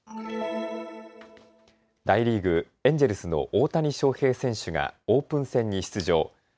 大リーグ、エンジェルスの大谷翔平選手がオープン戦に出場。